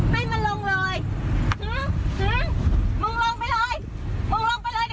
มันจะลงให้ทานไปอีกสักนิดเดี๋ยว